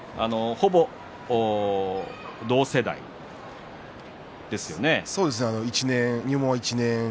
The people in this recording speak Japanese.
ほぼ同世代ですね。